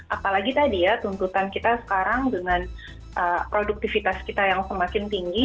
apalagi tadi ya tuntutan kita sekarang dengan produktivitas kita yang semakin tinggi